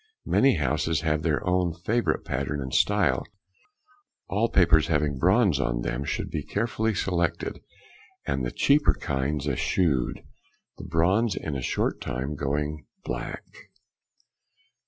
Many houses have their own favourite pattern and style. All papers having bronze on |35| them should be carefully selected and the cheaper kinds eschewed, the bronze in a short time going black.